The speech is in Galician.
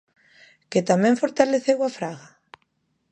Que tamén fortaleceu a Fraga?